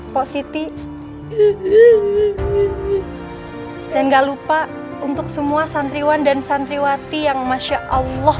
positif dan gak lupa untuk semua santriwan dan santriwati yang masya allah